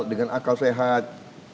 dengan akal sehat